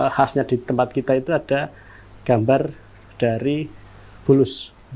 khasnya di tempat kita itu ada gambar dari bulus